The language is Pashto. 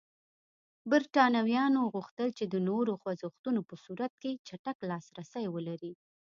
برېټانویانو غوښتل چې د نورو خوځښتونو په صورت کې چټک لاسرسی ولري.